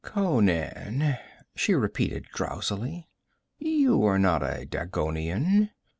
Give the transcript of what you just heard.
'Conan,' she repeated drowsily. 'You are not a Dagonian.